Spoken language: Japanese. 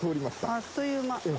あっという間。